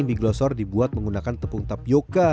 mie glosor dibuat menggunakan tepung tapioca